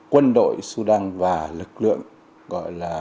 quân đội sudan và lực lượng